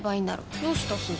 どうしたすず？